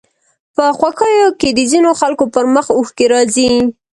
په خوښيو کې د ځينو خلکو پر مخ اوښکې راځي